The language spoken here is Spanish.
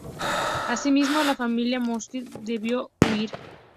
Asimismo, la familia Mostny debió huir.